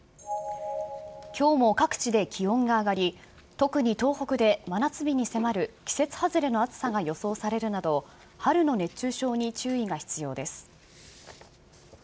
きょうも各地で気温が上がり、特に東北で真夏日に迫る季節外れの暑さが予想されるなど、春の熱中症に注意が必要です。